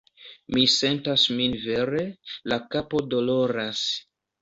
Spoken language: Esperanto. Mi sentas min vere, la kapo doloras